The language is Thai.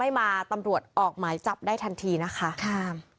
ไม่มาตำรวจออกหมายจับได้ทันทีนะคะค่ะ